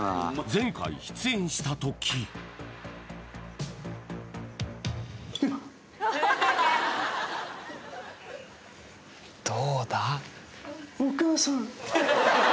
前回出演した時・どうだ？